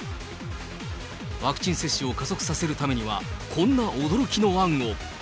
ワクチン接種を加速させるためにはこんな驚きの案を。